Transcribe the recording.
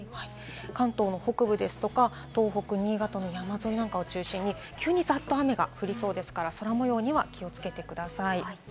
関東の北部ですとか、東北、新潟の山沿いなんかを中心に急にざっと雨が降りそうですから、空模様にはお気をつけください。